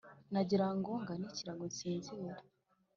Nagirango ngane ikirago nsinzire